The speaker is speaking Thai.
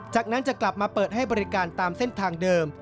จากนั้นจะกลับมาเปิดให้บริการตามเส้นทางเดิม